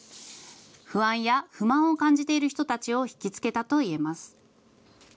不安や不満を感じている人たちを引き付けたと言えます。